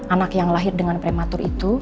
anak yang lahir dengan prematur itu